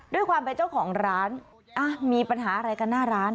ด้วยความเป็นเจ้าของร้านมีปัญหาอะไรกันหน้าร้าน